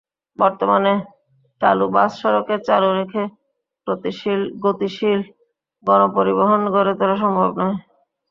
বর্তমানে চালু বাস সড়কে চালু রেখে গতিশীল গণপরিবহন গড়ে তোলা সম্ভব নয়।